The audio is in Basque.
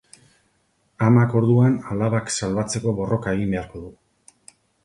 Amak, orduan, alabak salbatzeko borroka egin beharko du.